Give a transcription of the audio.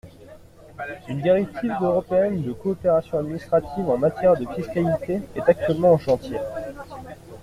Une directive européenne de coopération administrative en matière de fiscalité est actuellement en chantier.